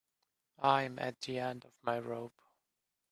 I'm at the end of my rope.